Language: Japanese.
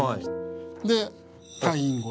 で退院後。